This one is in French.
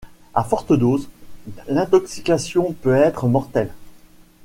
À fortes doses, l'intoxication peut être mortelle.